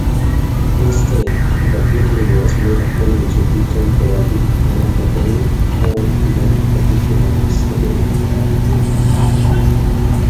Instead, the building was made only to be temporary, non-academic, or not particularly serious.